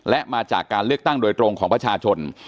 และมาจากการเลือกตั้งโดยตรงของประชาชน